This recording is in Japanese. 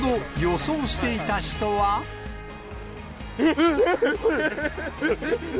えっ。